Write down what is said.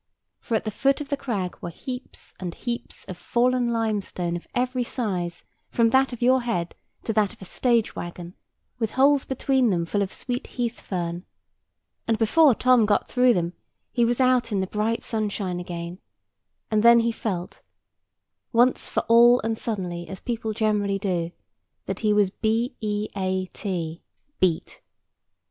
For at the foot of the crag were heaps and heaps of fallen limestone of every size from that of your head to that of a stage waggon, with holes between them full of sweet heath fern; and before Tom got through them, he was out in the bright sunshine again; and then he felt, once for all and suddenly, as people generally do, that he was b e a t, beat.